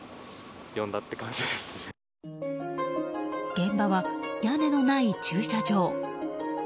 現場は、屋根のない駐車場。